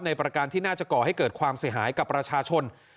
ประการที่น่าจะก่อให้เกิดความเสียหายกับประชาชน